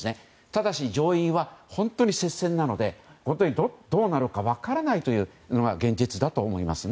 ただし上院は本当に接戦なのでどうなるか分からないというのが現実だと思います。